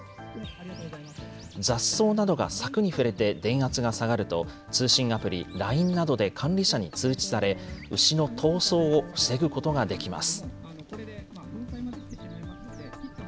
雑草などが柵に触れて電圧が下がると、通信アプリ、ＬＩＮＥなどで管理者に通知され、牛の逃走を防ぐことができます。